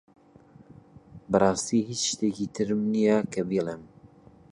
بەڕاستی هیچ شتێکی ترم نییە کە بیڵێم.